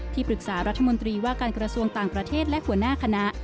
ปรึกษารัฐมนตรีว่าการกระทรวงต่างประเทศและหัวหน้าคณะ